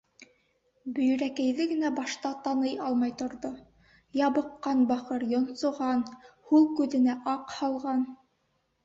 Бөйрәкәйҙе генә башта таный алмай торҙо: ябыҡҡан бахыр, йонсоған, һул күҙенә аҡ һалған.